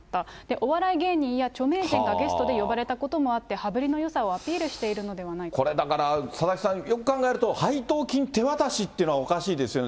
お笑い芸人や著名人がゲストで呼ばれたこともあって、羽振りのよさをアピールしているのではこれ、だから、佐々木さん、よく考えると配当金手渡しって、おかしいですよね。